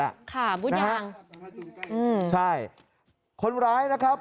ค่ะบูธยางใช่คนร้ายนะครับ